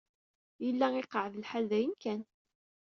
Yella iqeɛɛed lḥal dayen kan.